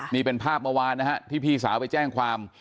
นี่เป็นภาพเมื่อวานนะฮะที่พี่สาวไปแจ้งความ